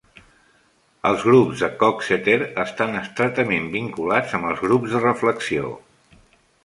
Els grups de Coxeter estan estretament vinculats amb els grups de reflexió.